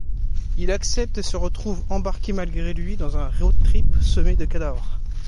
Il accepte et se retrouve embarqué malgré lui dans un road-trip semé de cadavres...